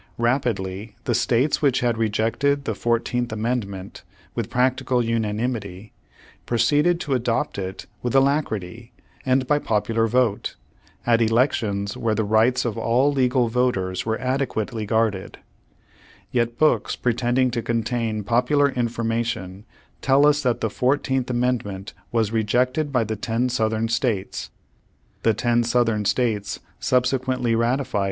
Rapidly the states which had rejected the Fourteenth Amendment with prac tical unanimity, proceeded to adopt it with alac rity, and by popular vote, at elections where the rights of all legal voters were adequately guarded. Yet books pretending to contain popular informa tion tell us that the Fourteenth Amendment was "rejected by the ten Southern States. The ten Southern States subsequently ratified under pres sure." ^^ World Ahnanar , 11114, p.